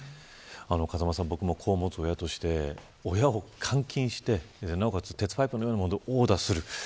風間さん、僕も子どもを持つ親として、親を監禁してなおかつ、鉄パイプのようなもので殴打する。